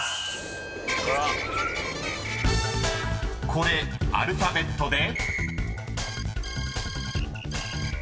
［これアルファベットで？］ＯＫ！